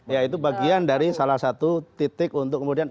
ya itu bagian dari salah satu titik untuk kemudian